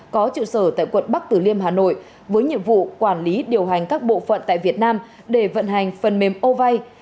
có trụ sở tại quận bắc tử liêm hà nội với nhiệm vụ quản lý điều hành các bộ phận tại việt nam để vận hành phần mềm o vay